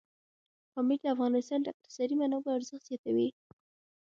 پامیر د افغانستان د اقتصادي منابعو ارزښت زیاتوي.